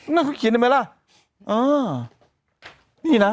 นั่นเขาเขียนได้มั้ยล่ะนี่นะ